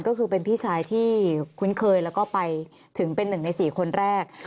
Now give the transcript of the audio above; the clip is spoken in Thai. ก็คือเป็นพี่ชายที่คุ้นเคยแล้วก็ไปถึงเป็น๑ใน๔คนแรก